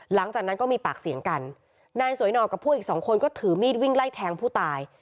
หลังจากนั้นก็มีปากเสียงกันนายสวยหนอกกับพวกอีกสองคนก็ถือมีดวิ่งไล่แทงผู้ตาย